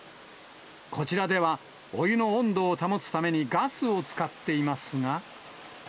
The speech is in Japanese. こちらでは、お湯の温度を保つためにガスを使っていますが。